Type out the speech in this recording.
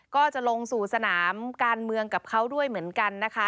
ก็จะลงสู่สนามการเมืองกับเขาด้วยเหมือนกันนะคะ